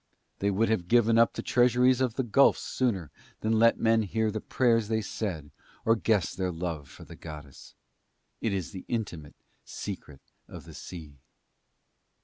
They would have given up the treasuries of the gulfs sooner than let men hear the prayers they said or guess their love for the goddess. It is the intimate secret of the sea.